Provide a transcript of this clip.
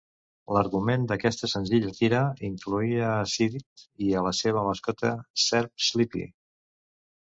L'argument d'aquesta senzilla tira incloïa a Sid i a la seva mascota serp Slippy.